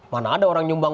mana ada orang nyumbang